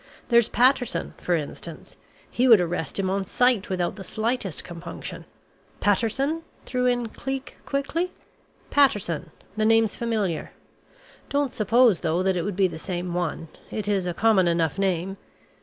There's Patterson, for instance, he would arrest him on sight without the slightest compunction." "Patterson?" threw in Cleek quickly. "Patterson the name's familiar. Don't suppose though, that it would be the same one it is a common enough name.